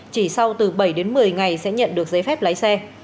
chỉ sau từ bảy đến một mươi ngày sẽ nhận được giấy phép lái xe